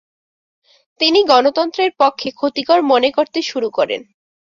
তিনি গণতন্ত্রের পক্ষে ক্ষতিকর মনে করতে শুরু করেন।